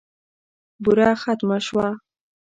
بوره ختمه شوه .